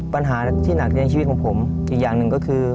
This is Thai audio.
ปัญหาที่หนักในชีวิตของผมอีกอย่างหนึ่งก็คือ